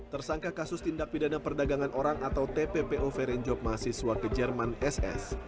tersangka kasus tindak pidana perdagangan orang atau tppo ferencjov mahasiswa ke jerman ss